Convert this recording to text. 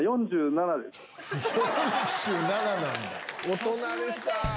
大人でした。